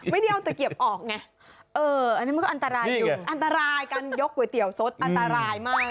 ไม่ได้เอาตะเกียบออกไงเอออันนี้มันก็อันตรายอยู่อันตรายการยกก๋วยเตี๋ยวสดอันตรายมาก